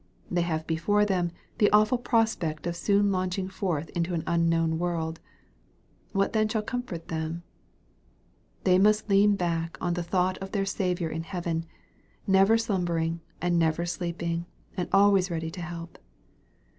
They have before them the awful prospect of soon launching forth into a world unknown. What then shall comfort them ? They must lean baok on the thought of their Saviour in heaven, never slum bering, and never sleeping, and always ready to help.